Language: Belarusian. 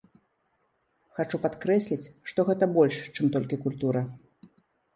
Хачу падкрэсліць, што гэта больш, чым толькі культура.